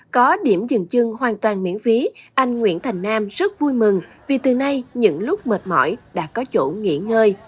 có điểm dừng chân hoàn toàn miễn phí anh nguyễn thành nam rất vui mừng vì từ nay những lúc mệt mỏi đã có chỗ nghỉ ngơi